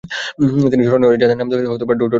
তিনি স্মরণীয়, যার নাম দেওয়া হয় ডপলার ক্রিয়া।